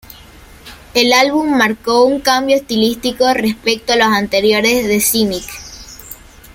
El álbum marcó un cambio estilístico respecto a los anteriores de Cynic.